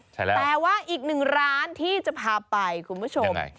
ใช่แล้วแต่ว่าอีกหนึ่งร้านที่จะพาไปคุณผู้ชม